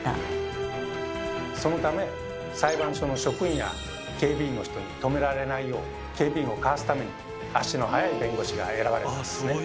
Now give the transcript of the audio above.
そのため裁判所の職員や警備員の人に止められないよう警備員をかわすために足の速い弁護士が選ばれたんですね。